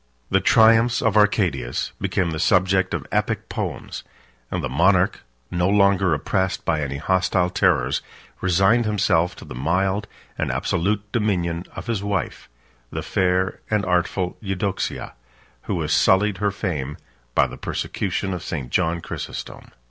The triumphs of Arcadius became the subject of epic poems; 40 and the monarch, no longer oppressed by any hostile terrors, resigned himself to the mild and absolute dominion of his wife, the fair and artful Eudoxia, who was sullied her fame by the persecution of St. John Chrysostom.